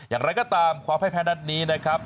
อย่างไรก็ตามความให้แพ้นัดนี้นะครับ